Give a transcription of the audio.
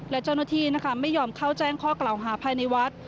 และเจ้าหน้าที่นะคะไม่ยอมเข้าแจ้งข้อกล่าวหาภายในวัด